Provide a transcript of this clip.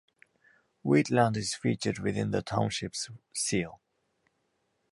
Wheatland is featured within the township's seal.